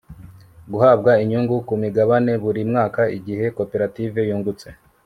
guhabwa inyungu ku migabane buri mwaka igihe koperative yungutse